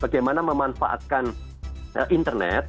bagaimana memanfaatkan internet